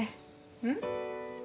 うん？